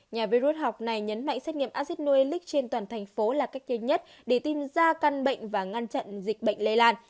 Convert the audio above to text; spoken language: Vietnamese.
nhà virus học này nhấn mạnh xét nghiệm acid nui elic trên toàn thành phố là cách duy nhất để tìm ra căn bệnh và ngăn chặn dịch bệnh lây lan